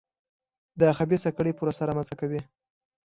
د خبیثه کړۍ پروسه رامنځته کوي.